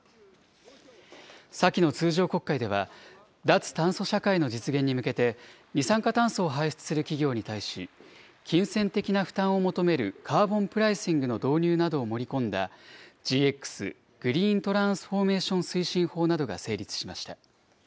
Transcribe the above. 先の通常国会では、脱炭素社会の実現に向けて、二酸化炭素を排出する企業に対し、金銭的な負担を求めるカーボンプライシングの導入などを盛り込んだ、ＧＸ・グリーントランスフォーメーション推進法などが成立しました。